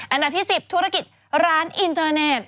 อันดับที่๑๐ธุรกิจร้านอินเตอร์เน็ต